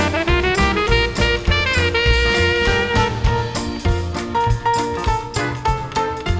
โปรดติดตามต่อไป